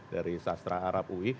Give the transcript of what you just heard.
dari sastra arab ui